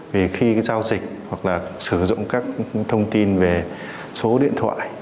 vì khi giao dịch hoặc là sử dụng các thông tin về số điện thoại